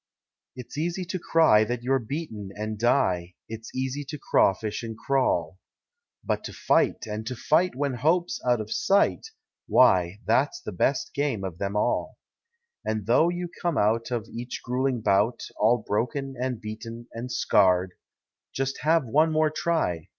It's easy to cry that you're beaten and die, It's easy to crawfish and crawl, But to fight and to fight when hope's out of sight, Why, that's the best game of them all. And though you come out of each grueling bout, All broken and beaten and scarred Just have one more try.